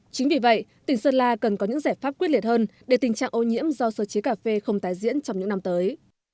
chính vì vậy tỉnh sơn la cần có những giải pháp quyết liệt hơn để tình trạng ô nhiễm do sơ chế cà phê không tái diễn trong những năm tới